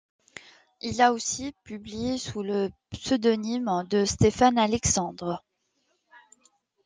Il a aussi publié sous le pseudonyme de Stéphane Alexandre.